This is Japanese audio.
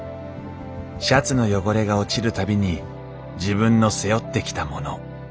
シャツの汚れが落ちる度に自分の背負ってきたもの